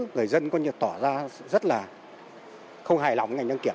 người dân coi như tỏ ra rất là không hài lòng với ngành đăng kiểm